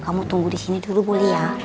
kamu tunggu disini dulu boleh ya